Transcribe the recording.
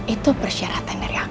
itu persyaratan dari aku